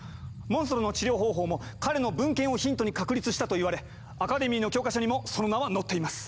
モンストロの治療方法も彼の文献をヒントに確立したといわれアカデミーの教科書にもその名は載っています。